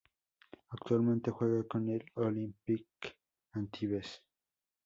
Actualmente juega en el Olympique Antibes.